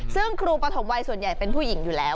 ซึ่งครูปฐมวัยส่วนใหญ่เป็นผู้หญิงอยู่แล้ว